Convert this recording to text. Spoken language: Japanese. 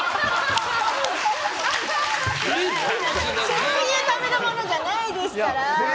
そういうためのものじゃないですから！